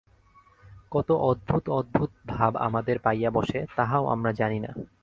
কত অদ্ভুত অদ্ভুত ভাব আমাদের পাইয়া বসে, তাহাও আমরা জানি না।